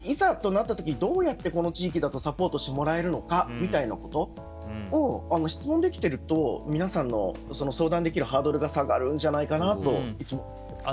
ネットで検索できるので親が元気なうちからいざとなった時にどうやって、この地域だとサポートしてもらえるのかみたいなことを質問できてると皆さんの相談できるハードルが下がるんじゃないかといつも思っています。